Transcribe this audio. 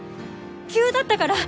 急だったから！